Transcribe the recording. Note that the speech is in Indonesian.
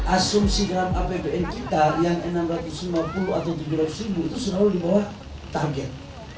asumsi dalam apbn kita yang enam ratus lima puluh atau tujuh ratus ribu itu selalu di bawah target